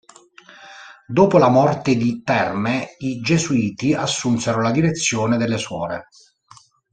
Dopo la morte di Terme, i gesuiti assunsero la direzione delle suore.